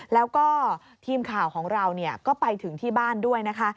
แล้วก็ทีมข่าวของเราก็ไปถึงที่บ้านด้วยนะคะ